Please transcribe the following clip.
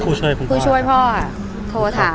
ภาษาสนิทยาลัยสุดท้าย